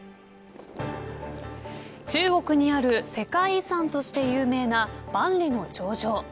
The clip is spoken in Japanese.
中国にある世界遺産として有名な万里の長城。